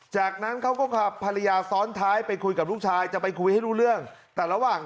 จากนั้นเขาก็ขับภรรยาซ้อนท้ายไปคุยกับลูกชายจะไปคุยให้รู้เรื่องแต่ระหว่าง